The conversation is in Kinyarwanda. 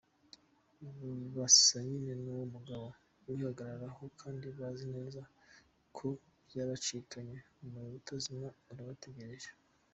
Basa nyine nuwo mugabo wihagararaho kandi bazi neza ko byabacikanye! Umuriro utazima urabategereje.